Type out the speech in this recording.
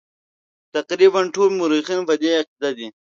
تقریبا ټول مورخین په دې عقیده دي.